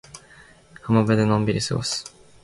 海辺でのんびり過ごす。